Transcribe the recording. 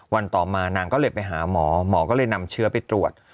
ต่อมานางก็เลยไปหาหมอหมอก็เลยนำเชื้อไปตรวจ